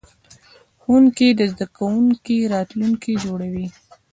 ښوونکی د زده کوونکي راتلونکی جوړوي.